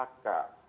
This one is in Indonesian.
mereka di phk